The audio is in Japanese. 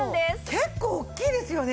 結構大きいですよね。